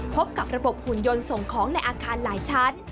พบกับระบบหุ่นยนต์ส่งของในอาคารหลายชั้น